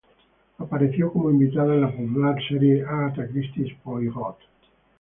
Apareció como invitada en la popular serie Agatha Christie's Poirot.